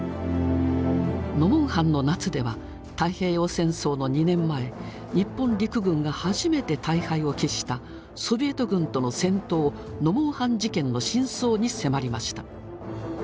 「ノモンハンの夏」では太平洋戦争の２年前日本陸軍が初めて大敗を喫したソビエト軍との戦闘「ノモンハン事件」の真相に迫りました。